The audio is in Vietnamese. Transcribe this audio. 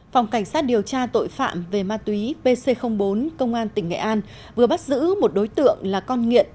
phòng cảnh sát điều tra tội phạm về ma túy pc bốn công an tỉnh nghệ an vừa bắt giữ một đối tượng là con nghiện